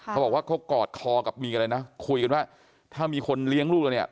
เขาบอกว่าเขากอดคอกับมีอะไรนะคุยกันว่าถ้ามีคนเลี้ยงลูกเราเนี่ย